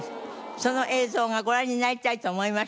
その映像がご覧になりたいと思いましたので。